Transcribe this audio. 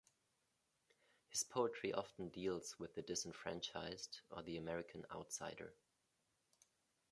His poetry often deals with the disenfranchised, or the American outsider.